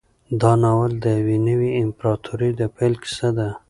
دا ناول د یوې نوې امپراطورۍ د پیل کیسه ده.